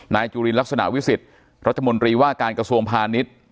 จุลินลักษณะวิสิทธิ์รัฐมนตรีว่าการกระทรวงพาณิชย์